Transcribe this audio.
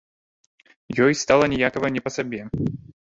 Ёй стала ніякава, не па сабе.